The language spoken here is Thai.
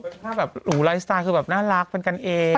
เป็นภาพแบบหูไลฟ์สไตล์คือน่ารักเหมือนกันเอง